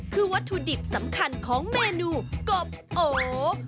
คือวัตถุดิบสำคัญของเมนูกบโอ